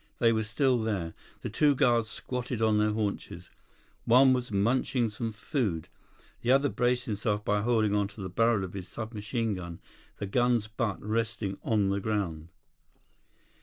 They were still there. The two guards squatted on their haunches. One was munching some food. The other braced himself by holding onto the barrel of his sub machine gun, the gun's butt resting on the ground.